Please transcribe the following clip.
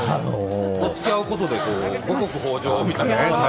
どつき合うことで五穀豊穣みたいな。